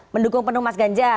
mendukung penuh mas ganjar